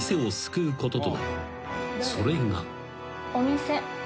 ［それが］